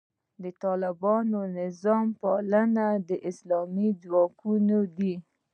طالبان د نظامي پالي اسلام ځواکونه دي.